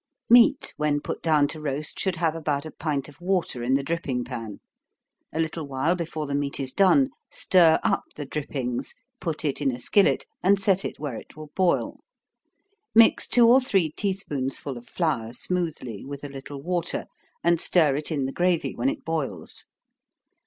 _ Meat, when put down to roast, should have about a pint of water in the dripping pan. A little while before the meat is done, stir up the drippings, put it in a skillet, and set it where it will boil. Mix two or three tea spoonsful of flour smoothly, with a little water, and stir it in the gravy when it boils.